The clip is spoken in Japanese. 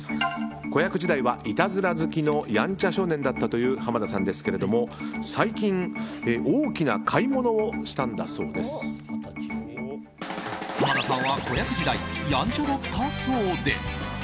子役時代はいたずら好きのやんちゃ少年だったという濱田さんですが最近、大きな買い物を濱田さんは子役時代やんちゃだったそうで。